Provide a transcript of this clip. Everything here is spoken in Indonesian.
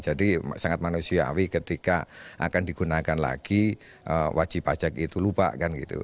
jadi sangat manusiawi ketika akan digunakan lagi wajib pajak itu lupa kan gitu